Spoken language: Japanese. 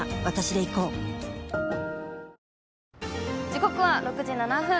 時刻は６時７分。